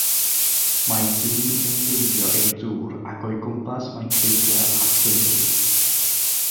Mae dyn yn deifio i'r dŵr ac o'i gwmpas mae creigiau a phinwydd.